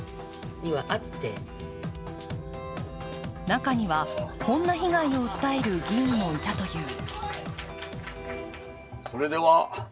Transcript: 中には、こんな被害を訴える議員もいたという。